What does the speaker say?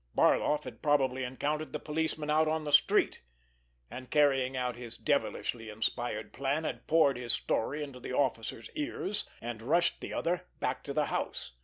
Barloff had probably encountered the policeman out on the street, and, carrying out his devilishly inspired plan, had poured his story into the officer's ears, and rushed the other back to the house.